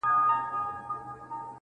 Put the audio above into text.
له کلونو ناپوهی یې زړه اره سو٫